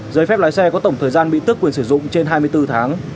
giấy phép lái xe có tổng thời gian bị tức quyền sử dụng trên hai mươi bốn tháng